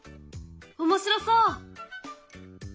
面白そう！